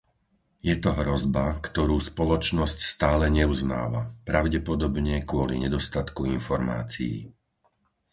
Je to hrozba, ktorú spoločnosť stále neuznáva, pravdepodobne kvôli nedostatku informácií.